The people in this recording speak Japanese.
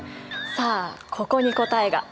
さあここに答えが。